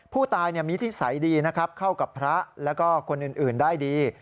ผู้ตายมีนิสัยดีนะครับเข้ากับพระแล้วก็คนอื่นได้ดี